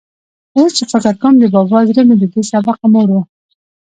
اوس چې فکر کوم، د بابا زړه مې له دې سبقه موړ و.